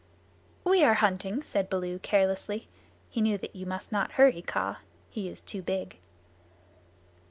"We are hunting," said Baloo carelessly. He knew that you must not hurry Kaa. He is too big.